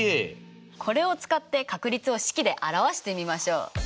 これを使って確率を式で表してみましょう！